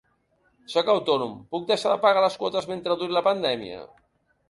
Sóc autònom, puc deixar de pagar les quotes mentre duri la pandèmia?